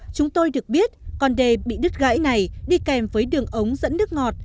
chúng tôi được biết con đê bị đứt gãi này đi kèm với đường ống dẫn nước ngọt